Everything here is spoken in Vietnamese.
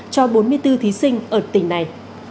cho bốn mươi bốn thí sinh ở tỉnh này